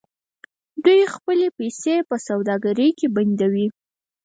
دوی خپلې پیسې په سوداګرۍ کې بندوي.